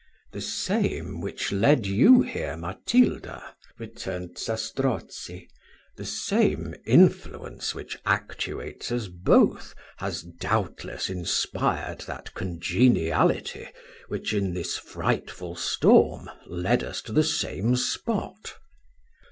"The same which led you here, Matilda," returned Zastrozzi: "the same influence which actuates us both, has doubtless inspired that congeniality which, in this frightful storm, led us to the same spot."